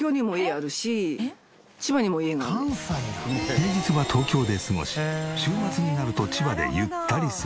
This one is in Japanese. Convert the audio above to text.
平日は東京で過ごし週末になると千葉でゆったり過ごす